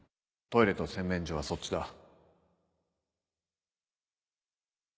トイレと洗面所はそっちだ